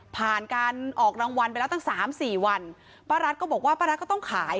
ผ่านการออกรางวัลไปแล้วตั้งสามสี่วันป้ารัฐก็บอกว่าป้ารัฐก็ต้องขาย